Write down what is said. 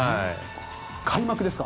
開幕ですか？